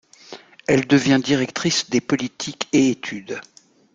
Elle devient directrice des politiques et études.